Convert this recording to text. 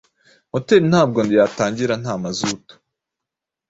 Moteri ntabwo yatangira nta mazutu